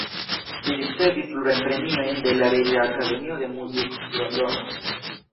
Li ricevis plurajn premiojn de la Reĝa Akademio de Muziko, Londono.